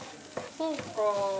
そうか。